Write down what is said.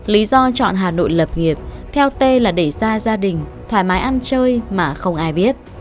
lý do chọn hà nội lập nghiệp theo tê là để ra gia đình thoải mái ăn chơi mà không ai biết